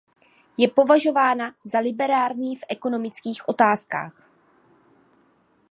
Je považována za liberální v ekonomických otázkách.